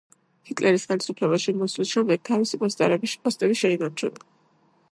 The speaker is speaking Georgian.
ჰიტლერის ხელისუფლებაში მოსვლის შემდეგ თავისი პოსტები შეინარჩუნა.